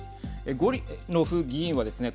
ゴリノフ議員はですね